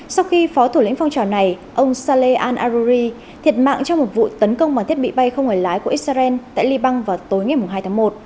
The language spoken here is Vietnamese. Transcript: sau khi phó thủ lĩnh phong trào này ông saleh al aruri thiệt mạng trong một vụ tấn công bằng thiết bị bay không người lái của israel tại liban vào tối ngày hai tháng một